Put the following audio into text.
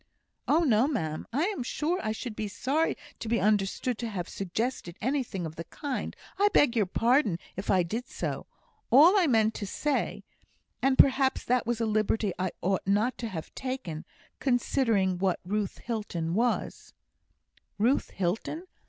"Oh, no, ma'am! I am sure I should be sorry to be understood to have suggested anything of the kind. I beg your pardon if I did so. All I meant to say and perhaps that was a liberty I ought not to have taken, considering what Ruth Hilton was " "Ruth Hilton!"